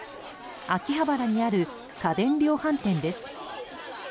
秋葉原にある家電量販店です。